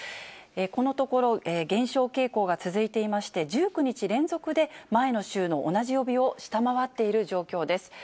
このところ、減少傾向が続いていまして、１９日連続で前の週の同じ曜日を下回っている状況です。